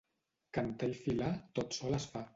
Cantar i filar tot sol es fa.